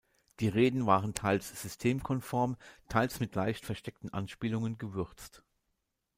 Die Reden waren teils systemkonform, teils mit leicht versteckten Anspielungen gewürzt.